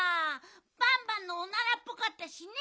バンバンのオナラっぽかったしね！